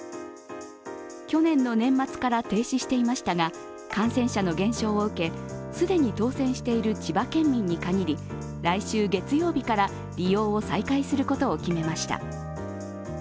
去年の年末から停止していましたが、感染者の減少を受け既に当選している千葉県民に限り来週月曜日から利用を再開することを決めました。